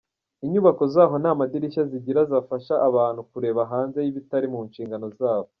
Inyubako zaho nta madirisha zigira yafasha abantu kureba hanze y’ibitari mu nshingano zabo.